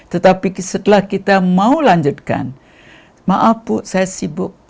tetapi setelah kita mau lanjutkan maaf bu saya sibuk